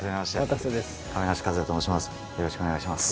よろしくお願いします。